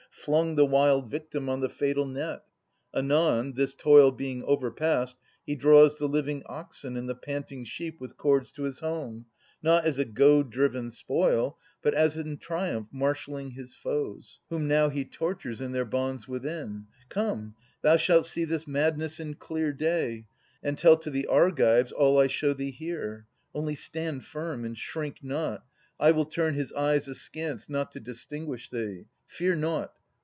Flung the wild victim on the fatal net. Anon, this toil being overpast, he draws The living oxen and the panting sheep With cords to his home, not as a goad driv'n spoil, But as in triumph marshalling his foes : Whom now he tortures in their bonds within Come, thou shalt see this madness in clear day, And tell to the Argives all I show thee here. Only stand firm and shrink not; I will turn His eyes askance, not to distinguish thee ; Fear nought.